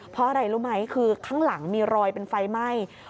เพราะอะไรรู้ไหมคือข้างหลังมีรอยเป็นไฟไหม้